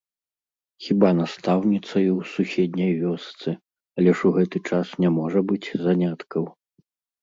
Хіба настаўніцаю ў суседняй вёсцы, але ж у гэты час не можа быць заняткаў.